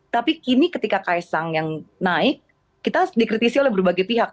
tapi kini ketika kaisang yang naik kita dikritisi oleh berbagai pihak